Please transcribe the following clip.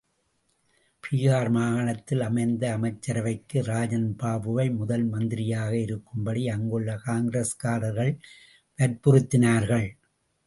பீகார் மாகாணத்தில் அமைந்த அமைச்சரவைக்கு ராஜன் பாபுவை முதல் மந்திரியாக இருக்கும்படி அங்குள்ள காங்கிரஸ்காரர்கள் வற்புறுத்தினார்கள்.